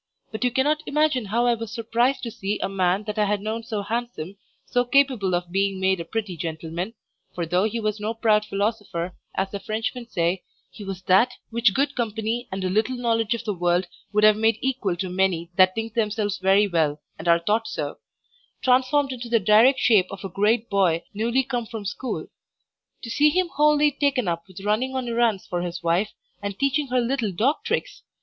But you cannot imagine how I was surprised to see a man that I had known so handsome, so capable of being made a pretty gentleman (for though he was no proud philosopher, as the Frenchmen say, he was that which good company and a little knowledge of the world would have made equal to many that think themselves very well, and are thought so), transformed into the direct shape of a great boy newly come from school. To see him wholly taken up with running on errands for his wife, and teaching her little dog tricks!